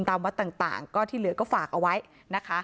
ความบุญตามวัตต่างก็ที่เหลือก็ฝากเอาไว้นะคะ